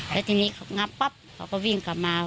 แล้วทีนี้เขางับปั๊บเขาก็วิ่งกลับมา